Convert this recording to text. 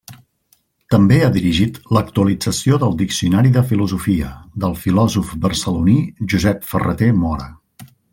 També ha dirigit l'actualització del Diccionari de filosofia, del filòsof barceloní Josep Ferrater Mora.